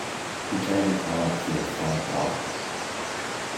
We charge a call out fee of five dollars.